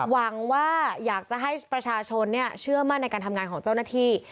หวังว่าอยากจะให้ประชาชนเชื่อมั่นในการทำงานของเจ้าหน้าที่